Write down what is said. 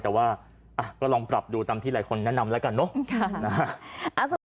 แต่ว่าก็ลองปรับดูตามที่หลายคนแนะนำแล้วกันเนอะ